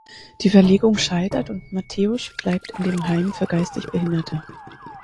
Die Verlegung scheitert und Mateusz bleibt in dem Heim für geistig Behinderte.